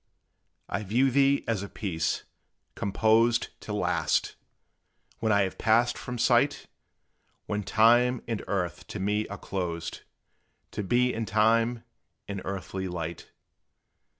I view thee as a piece, composed To last, when I have passed from sight When time and earth to me are closed, To be in time and earthly light.